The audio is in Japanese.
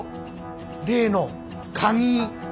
例の鍵。